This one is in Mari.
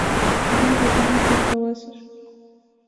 — Юрик йӱкын каласыш.